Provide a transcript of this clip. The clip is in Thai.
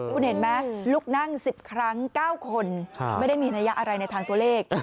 คุณเห็นไหมลุกนั่ง๑๐ครั้ง๙คนไม่ได้มีนัยยะอะไรในทางตัวเลข